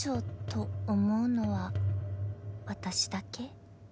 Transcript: と思うのは私だけ？